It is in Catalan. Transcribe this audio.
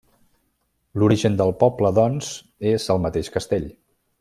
L'origen del poble, doncs, és el mateix castell.